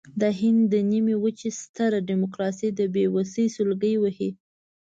د هند د نیمې وچې ستره ډیموکراسي د بېوسۍ سلګۍ وهي.